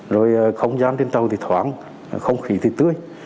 rồi không gian trên tàu thì thoáng không khí thì tươi